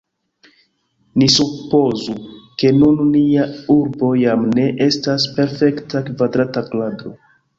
Ni supozu, ke nun nia urbo jam ne estas perfekta kvadrata krado.